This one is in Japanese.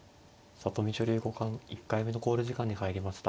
里見女流五冠１回目の考慮時間に入りました。